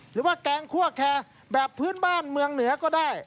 หรือว่าแกงคั่วแคแบบพื้นบ้านเมืองเหนือก็ได้